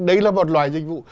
đấy là một loài dịch vụ